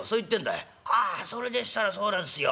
「ああそれでしたらそうなんすよ。